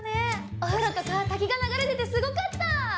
お風呂とか滝が流れててすごかった！